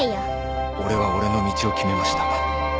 俺は俺の道を決めました。